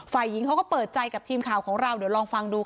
ฝ่ายหญิงเขาก็เปิดใจกับทีมข่าวของเราเดี๋ยวลองฟังดูค่ะ